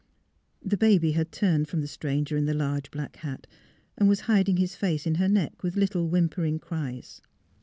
The baby had turned from the stranger in the large black hat and was hiding his face in her neck, with little whimpering cries.